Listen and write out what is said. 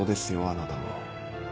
あなたも。